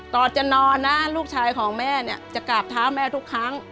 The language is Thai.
ตอนจะนอนนะลูกชายของแม่เนี่ยจะกราบเท้าแม่ทุกครั้ง